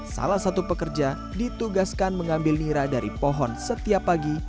salah satu pekerja ditugaskan mengambil nira dari pohon setiap pagi